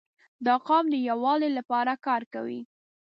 • دا قوم د یووالي لپاره کار کوي.